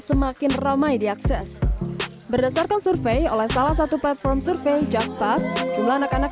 semakin ramai diakses berdasarkan survei oleh salah satu platform survei jakarta jumlah anak anak